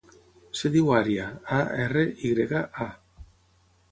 Es diu Arya: a, erra, i grega, a.